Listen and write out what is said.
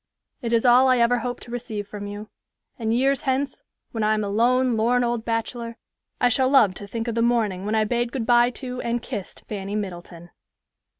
It is all I ever hope to receive from you; and years hence, when I am a lone, lorn old bachelor, I shall love to think of the morning when I bade good by to and kissed Fanny Middleton."